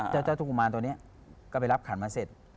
เจ้าทุกกุมารตัวนี้ก็ไปรับขันมาเสร็จ